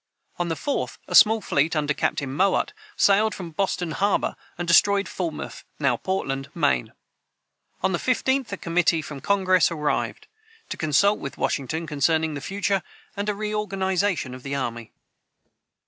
On the 4th, a small fleet, under Captain Mowatt, sailed from Boston harbor, and destroyed Falmouth (now Portland), Maine. On the 15th, a committee from Congress arrived, to consult with Washington concerning the future, and a reorganization of the army.